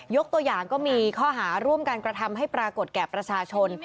ตัวอย่างก็มีข้อหาร่วมการกระทำให้ปรากฏแก่ประชาชน